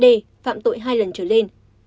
d phạm tội hai lần trở lên